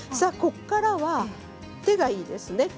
ここからは手がいいですね。